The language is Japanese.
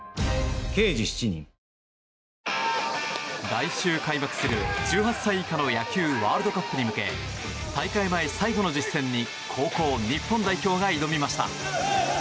来週開幕する、１８歳以下の野球ワールドカップに向け大会前最後の実戦に高校日本代表が挑みました。